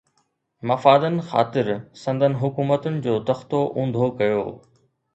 مفادن خاطر سندن حڪومتن جو تختو اونڌو ڪيو